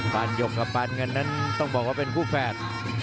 นยกกับปานเงินนั้นต้องบอกว่าเป็นคู่แฝด